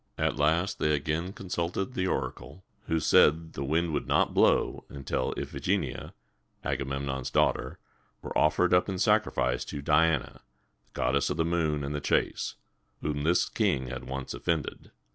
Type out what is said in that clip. At last they again consulted the oracle, who said that the wind would not blow until Iph i ge ni´a, Agamemnon's daughter, were offered up in sacrifice to Di an´a, goddess of the moon and the chase, whom this king had once offended.